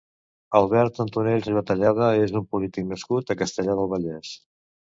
Albert Antonell Ribatallada és un polític nascut a Castellar del Vallès.